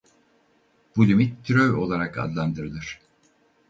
Bu limit türev olarak adlandırılır.